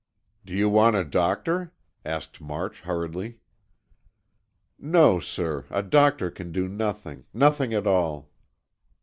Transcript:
"Do you want a doctor?" asked March, hurriedly. "No, sir, a doctor can do nothing—nothing at all."